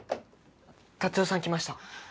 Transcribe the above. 達代さん来ました。